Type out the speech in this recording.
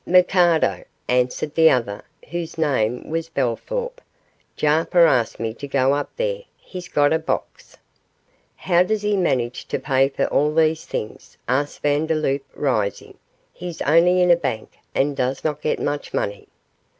'"Mikado",' answered the other, whose name was Bellthorp; 'Jarper asked me to go up there; he's got a box.' 'How does he manage to pay for all these things?' asked Vandeloup, rising; 'he's only in a bank, and does not get much money.